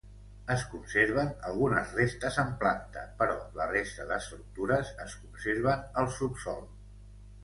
Es conserven algunes restes en planta però la resta d'estructures es conserven al subsòl.